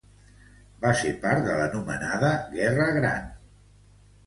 Va ser part de l'anomenada Guerra Gran.